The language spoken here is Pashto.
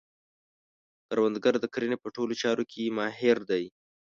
کروندګر د کرنې په ټولو چارو کې ماهر دی